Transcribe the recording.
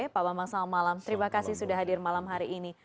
pak bambang selamat malam terima kasih sudah hadir malam hari ini